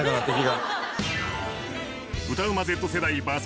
歌うまＺ世代ＶＳ